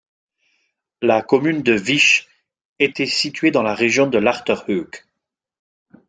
La commune de Wisch était située dans la région de l'Achterhoek.